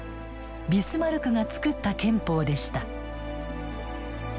ビスマルクが作った憲法でした。